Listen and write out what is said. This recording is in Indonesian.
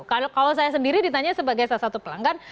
kalau saya sendiri ditanya sebagai salah satu pelanggan